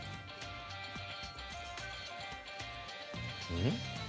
うん？